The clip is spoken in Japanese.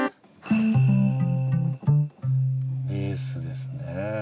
ベースですね。